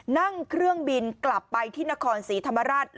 นั่งเครื่องบินกลับไปที่นครศรีธรรมราช